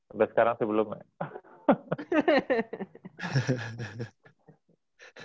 abis sekarang sih belum ya